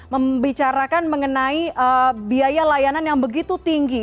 membicarakan mengenai biaya layanan yang begitu tinggi